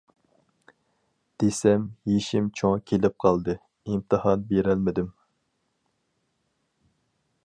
دېسەم، يېشىم چوڭ كېلىپ قالدى، ئىمتىھان بېرەلمىدىم.